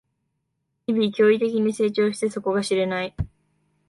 日々、驚異的に成長して底が知れない